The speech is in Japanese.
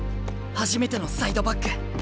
初めてのサイドバック。